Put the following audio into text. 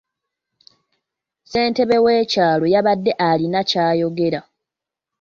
Ssentebe w'ekyalo yabadde alina ky'ayogera.